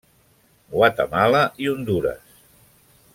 Guatemala i Hondures.